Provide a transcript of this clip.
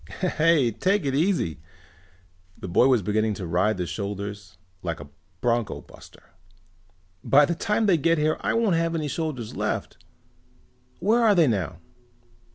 "Hey, take it easy!" The boy was beginning to ride the shoulders like a bronco buster. "By the time they get here I won't have any shoulders left. Where are they now?"